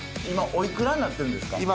今おいくらになってるんですか？